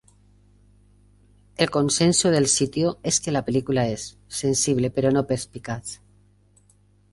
El consenso del sitio es que la película es "sensible pero no perspicaz".